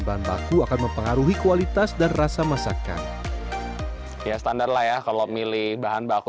bahan baku akan mempengaruhi kualitas dan rasa masakan ya standar lah ya kalau milih bahan baku